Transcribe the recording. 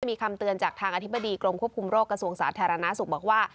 มีคำเตือนจากทางอธิบดีกรมควบคุมโรคกระทรวงสาธารณสุขบอกว่า